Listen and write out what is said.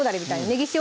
ねぎ塩